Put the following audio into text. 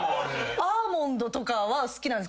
アーモンドとかは好きなんです。